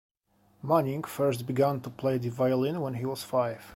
Manning first began to play the violin when he was five.